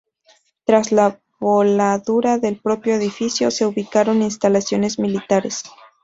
Tras la voladura del propio edificio, se ubicaron instalaciones militares.